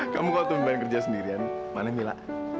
kamu kok tumben kerja sendirian mana mila